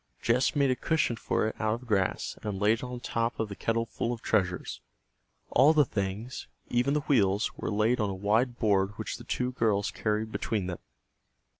Jess made a cushion for it out of grass and laid it on top of the kettle full of treasures. All the things, even the wheels, were laid on a wide board which the two girls carried between them.